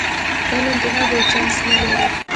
بل انتخاب او چانس نه لرې.